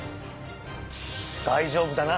大丈夫だな？